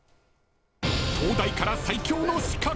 東大から最強の刺客。